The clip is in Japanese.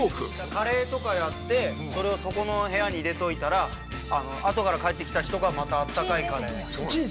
カレーとかやってそれをそこの部屋に入れておいたらあとから帰ってきた人がまた温かいカレー保温できる。